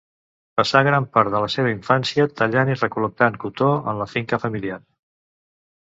Passà gran part de la seva infància tallant i recol·lectant cotó en la finca familiar.